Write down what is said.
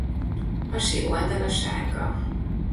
Hasi oldala sárga.